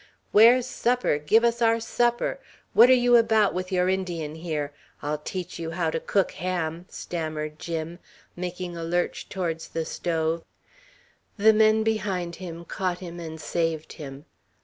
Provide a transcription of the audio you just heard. "Where's supper! Give us our supper! What are you about with your Indian here? I'll teach you how to cook ham!" stammered Jim, making a lurch towards the stove. The men behind caught him and saved him.